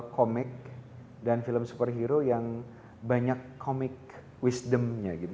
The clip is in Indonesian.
komik dan film superhero yang banyak komik wisdomnya gitu